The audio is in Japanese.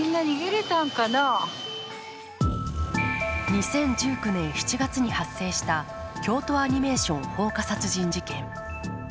２０１９年７月に発生した京都アニメーション放火殺人事件。